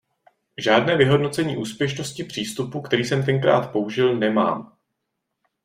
Žádné vyhodnocení úspěšnosti přístupu, který jsem tenkrát použil nemám.